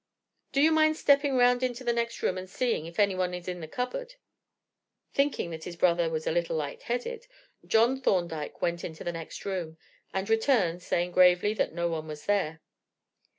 "Do you mind stepping round into the next room and seeing if anyone is in the cupboard?" Thinking that his brother was a little light headed, John Thorndyke went into the next room, and returned, saying gravely that no one was there.